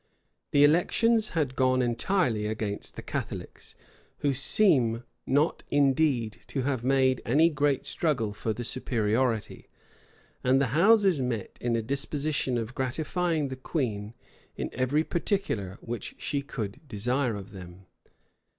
The elections had gone entirely against the Catholics, who seem not indeed to have made any great struggle for the superiority;[*] and the houses met in a disposition of gratifying the queen in every particular which she could desire of them.